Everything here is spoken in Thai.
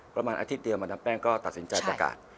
ประมาณอาทิตย์เดียวมาดามแป้งก็ตัดสินใจประกาศ